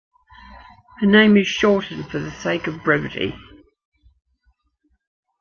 The name is shortened for the sake of brevity.